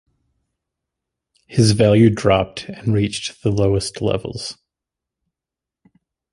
His value dropped and reached the lowest levels.